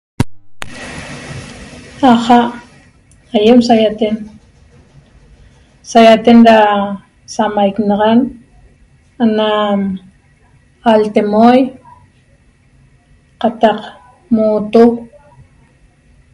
Aja' aiem saiaten, saiaten ra samaicnaxan ana altemoi qataq mooto